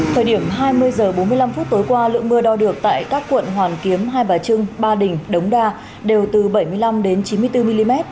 thời điểm hai mươi h bốn mươi năm tối qua lượng mưa đo được tại các quận hoàn kiếm hai bà trưng ba đình đống đa đều từ bảy mươi năm đến chín mươi bốn mm